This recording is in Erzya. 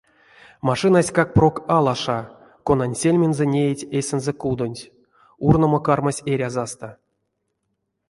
Машинаськак прок алаша, конань сельмензэ неить эсензэ кудонть, урномо кармась эрязасто.